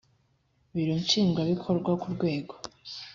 biro nshingwabikorwa ku rwego